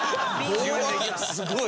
すごい！